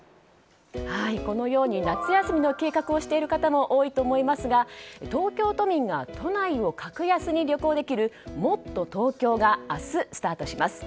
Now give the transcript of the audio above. このように夏休みの計画をしている方も多いと思いますが東京都民が都内を格安に旅行できるもっとＴｏｋｙｏが明日スタートします。